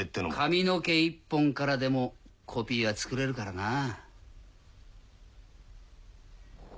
髪の毛１本からでもコピーは作れるからなぁ。